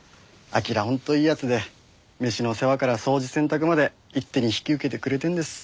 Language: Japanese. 本当いい奴で飯の世話から掃除洗濯まで一手に引き受けてくれてるんです。